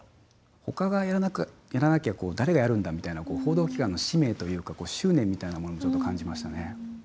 ほかがやらなきゃ誰がやるんだみたいな報道機関の使命というか執念みたいなものをちょっと感じましたね。